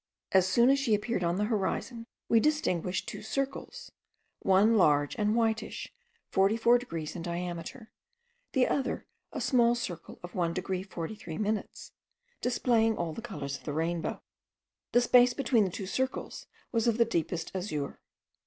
As soon as she appeared on the horizon, we distinguished two circles: one large and whitish, forty four degrees in diameter; the other a small circle of 1 degree 43 minutes, displaying all the colours of the rainbow. The space between the two circles was of the deepest azure.